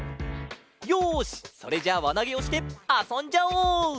よしそれじゃあわなげをしてあそんじゃおう！